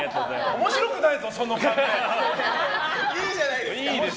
面白くないぞ、それ！